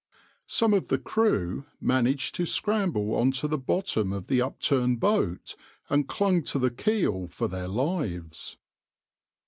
Some of the crew managed to scramble on to the bottom of the upturned boat and clung to the keel for their lives.